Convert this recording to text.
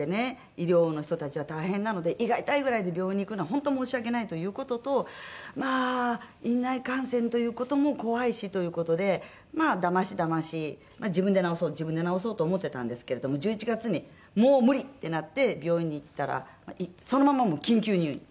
医療の人たちは大変なので胃が痛いぐらいで病院に行くのは本当申し訳ないという事とまあ院内感染という事も怖いしという事でまあだましだまし自分で治そう自分で治そうと思ってたんですけれども１１月にもう無理！ってなって病院に行ったらそのまんまもう緊急入院。